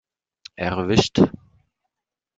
Erwischt!